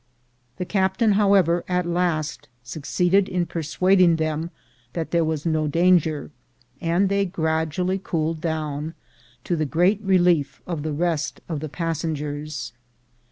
The captain, however, at last succeeded in persuading them that there was no danger, and they gradually cooled down, to the great relief of the rest of the passengers.